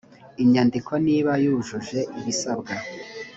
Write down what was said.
inyandiko niba yujuje ibisabwa